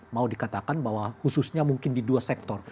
mau dikatakan bahwa khususnya mungkin di dua sektor